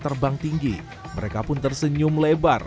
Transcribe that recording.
terbang tinggi mereka pun tersenyum lebar